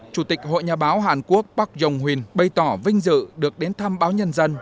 chủ tịch hội nhà báo hàn quốc park jong un bày tỏ vinh dự được đến thăm báo nhân dân